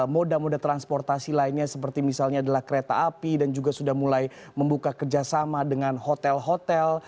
moda moda transportasi lainnya seperti misalnya adalah kereta api dan juga sudah mulai membuka kerjasama dengan hotel hotel